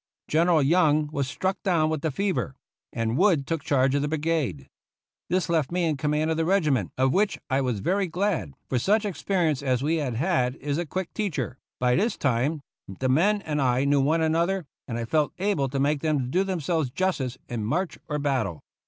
General Young was struck down with the fever, and Wood took charge of the brigade. This left me in com mand of the regiment, of which I was very glad, for such experience as we had had is a quick teacher. By this time the men and I knew one another, and I felt able to make them do them selves justice in march or battle.